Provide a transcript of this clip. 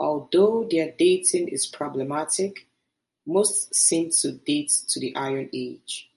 Although their dating is problematic, most seem to date to the Iron Age.